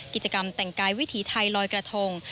กิจกรรมแต่งกายวิถีไทยลอยกระทง